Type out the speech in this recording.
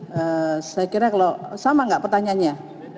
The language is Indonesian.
terima kasih saya kira kalau sama gak pertanyaannya